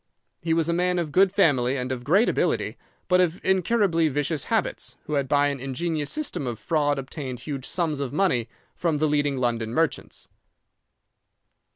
He was a man of good family and of great ability, but of incurably vicious habits, who had by an ingenious system of fraud obtained huge sums of money from the leading London merchants.